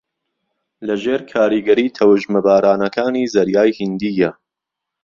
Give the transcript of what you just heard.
لەژێر کاریگەری تەوژمە بارانەکانی زەریای ھیندییە